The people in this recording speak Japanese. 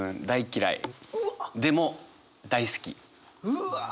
うわ！